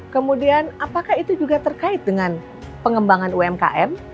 kemudian apakah itu juga terkait dengan pengembangan umkm